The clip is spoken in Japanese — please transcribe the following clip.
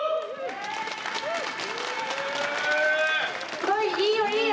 すごいいいよいいよ！